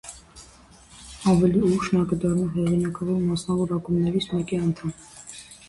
Ավելի ուշ նա կդառնա հեղինակավոր մասնավոր ակումբներից մեկի անդամը։